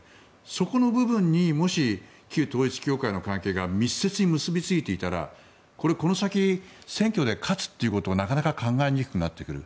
そこの部分に、もし旧統一教会の関係が密接に結びついていたらこれ、この先選挙で勝つということはなかなか考えにくくなってくる。